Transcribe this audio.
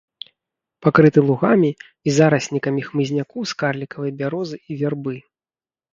Пакрыты лугамі і зараснікамі хмызняку з карлікавай бярозы і вярбы.